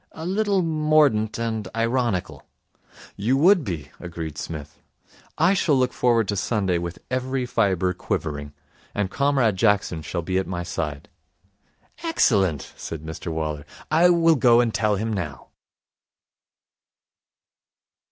'A little mordant and ironical.' 'You would be,' agreed Psmith. 'I shall look forward to Sunday with every fibre quivering. And Comrade Jackson shall be at my side.' 'Excellent,' said Mr Waller. 'I will go and tell him now.'